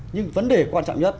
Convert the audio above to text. nhưng vấn đề quan trọng nhất